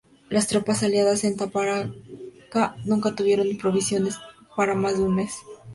Las tropas aliadas en Tarapacá nunca tuvieron provisiones para más de un mes.